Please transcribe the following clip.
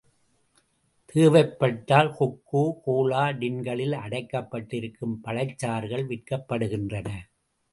தேவைப்பட்டால் Coca Cola, டின்களில் அடைக்கப்பட்டிருக்கும் பழச் சாறுகள் விற்கப்படுகின்றன.